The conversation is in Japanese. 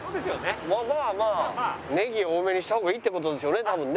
まあまあネギ多めにした方がいいって事でしょうね多分ね。